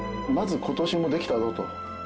まず今年もできたぞと。